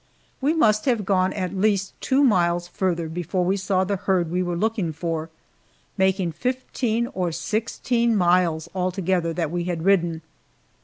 We must have gone at least two miles farther before we saw the herd we were looking for, making fifteen or sixteen miles altogether that we had ridden.